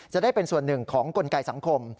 จะได้เป็นส่วนหนึ่งของกลไกสังคม